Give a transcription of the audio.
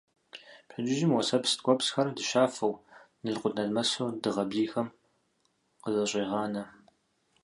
Пщэдджыжьым уэсэпс ткӀуэпсхэр дыщафэу, налкъутналмэсу дыгъэ нэбзийм къызэщӀегъанэ.